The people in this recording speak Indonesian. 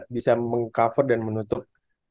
bisa meng cover dan menutup